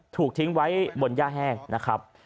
ถูกทิ้งไว้บนย่าแห้งนะครับ